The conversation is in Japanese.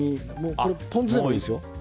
ポン酢でもいいですよ。